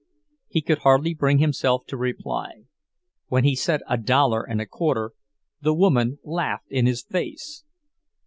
He could hardly bring himself to reply. When he said "A dollar and a quarter," the woman laughed in his face.